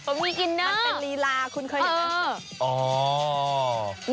เขามีกินเนอะมันเป็นลีลาคุณเคยเห็นมั้ยอ๋อ